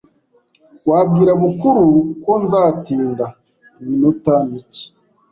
Wabwira Bukuru ko nzatinda iminota mike?